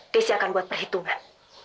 desi akan buat perhitungan